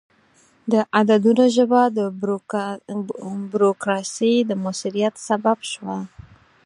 د عددونو ژبه د بروکراسي د موثریت سبب شوه.